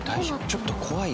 ちょっと怖い。